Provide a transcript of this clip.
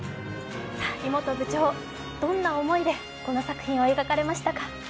部長、どんな思いでこの作品を描かれましたか？